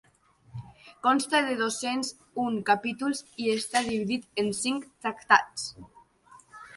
Consta de dos-cents un capítols i està dividit en cinc tractats.